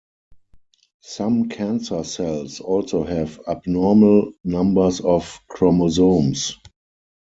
Some cancer cells also have abnormal numbers of chromosomes.